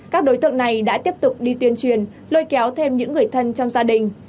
các đối tượng này đã tiếp tục đi tuyên truyền lôi kéo thêm những người thân trong gia đình